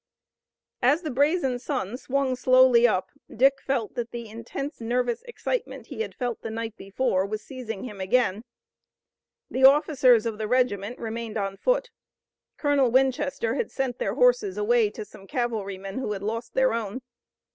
As the brazen sun swung slowly up Dick felt that the intense nervous excitement he had felt the night before was seizing him again. The officers of the regiment remained on foot. Colonel Winchester had sent their horses away to some cavalrymen who had lost their own.